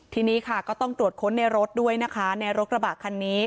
ทีนี้ค่ะก็ต้องตรวจค้นในรถด้วยนะคะในรถกระบะคันนี้